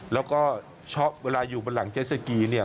แล้วก็ชอบเวลาอยู่บนหลังเจ็ดสกี